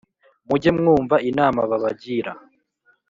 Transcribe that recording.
mujye mwumva inama babagira